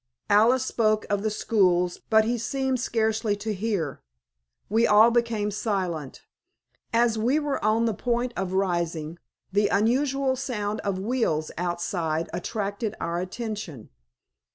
Alice spoke of the schools, but he seemed scarcely to hear. We all became silent. As we were on the point of rising, the unusual sound of wheels outside attracted our attention.